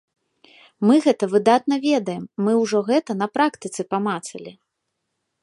Мы гэта выдатна ведаем, мы ўжо гэта на практыцы памацалі.